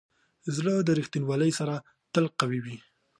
زړه د ریښتینولي سره تل قوي وي.